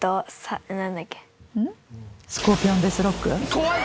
怖い！